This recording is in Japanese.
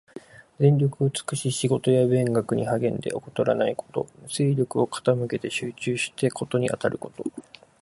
全力を尽くし仕事や勉学に励んで、怠らないこと。精力を傾けて集中して事にあたること。